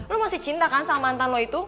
lo masih cinta kan sama mantan lo itu